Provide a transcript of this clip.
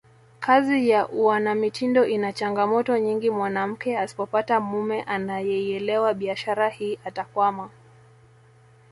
Kazi ya uanamitindo ina changamoto nyingi mwanamke asipopata mume anayeielewa biashara hii atakwama